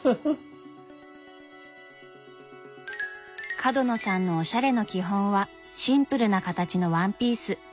角野さんのおしゃれの基本はシンプルな形のワンピース。